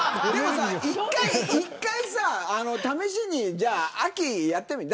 １回試しに秋にやってみようよ。